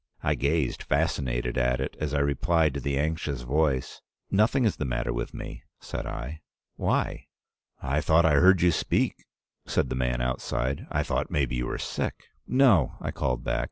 I gazed fascinated at it, as I replied to the anxious voice: "'Nothing is the matter with me,' said I. 'Why?' "'I thought I heard you speak,' said the man outside. 'I thought maybe you were sick.' "'No,' I called back.